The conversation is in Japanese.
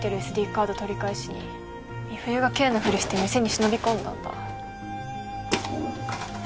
カード取り返しに美冬が Ｋ のフリして店に忍び込んだんだ